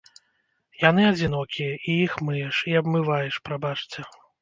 Яны адзінокія, іх і мыеш, і абмываеш, прабачце.